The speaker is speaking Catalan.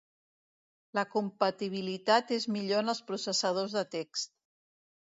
La compatibilitat és millor en els processadors de text.